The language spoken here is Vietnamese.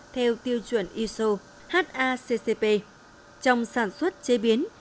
theo tiêu chuẩn iso haccp trong sản xuất chế biến